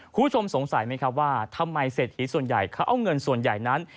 คุณผู้ชมสงสัยไหมครับว่าทำไมเศรษฐีส่วนใหญ่เขาเอาเงินส่วนใหญ่นั้น